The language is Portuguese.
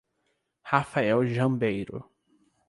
Rafael Jambeiro